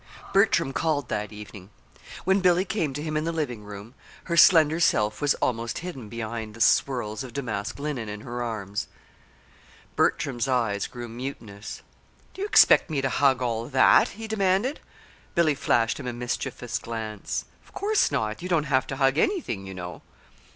Bertram called that evening. When Billy came to him in the living room, her slender self was almost hidden behind the swirls of damask linen in her arms. Bertram's eyes grew mutinous. "Do you expect me to hug all that?" he demanded. Billy flashed him a mischievous glance. "Of course not! You don't have to hug anything, you know."